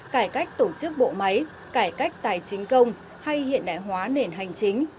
cải cách tổ chức bộ máy cải cách tài chính công hay hiện đại hóa nền hành chính